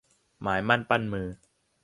หมายมั่นปั้นมือ